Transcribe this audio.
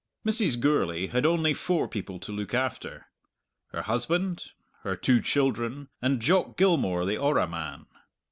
Mrs. Gourlay had only four people to look after her husband, her two children, and Jock Gilmour, the orra man.